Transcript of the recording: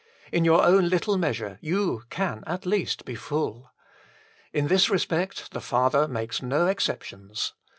In your own little measure you can at least be full. In this respect the Father makes no exceptions.